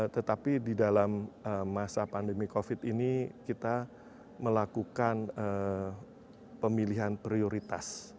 tetapi di dalam masa pandemi covid ini kita melakukan pemilihan prioritas